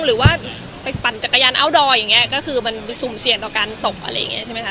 หรือว่าไปปั่นจักรยานอัลดอร์อย่างนี้ก็คือมันสุ่มเสี่ยงต่อการตบอะไรอย่างนี้ใช่ไหมคะ